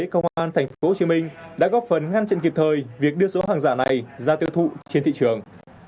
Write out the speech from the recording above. công an tp hcm đã góp phần ngăn chặn kịp thời việc đưa số hàng giả này ra tiêu thụ trên thị trường